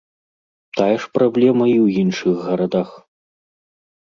Тая ж праблема і ў іншых гарадах.